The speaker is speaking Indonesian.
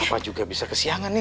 bapak juga bisa kesiangan nih